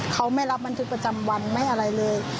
เขาไม่รับบันทึกประจำวันไม่อะไรเลย